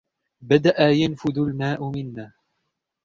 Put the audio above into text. بدأ ينفذ الماء منّا.